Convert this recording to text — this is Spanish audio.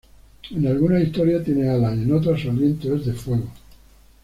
En algunas historias tiene alas y en otras su aliento es de fuego.